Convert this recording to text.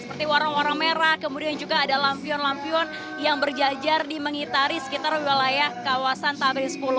seperti warung warung merah kemudian juga ada lampion lampion yang berjajar di mengitari sekitar wilayah kawasan tamrin sepuluh